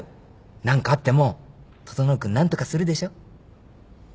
何かあっても整君何とかするでしょ。